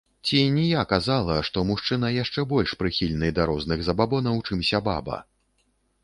Ці ні я казала, што мужчына яшчэ больш прыхільны да розных забабонаў, чымся баба.